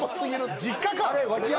実家か！